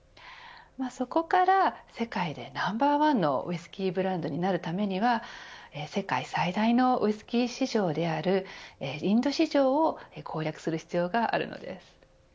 そこから、世界でナンバーワンのウイスキーブランドになるためには世界最大のウイスキー市場であるインド市場を攻略する必要があるのです。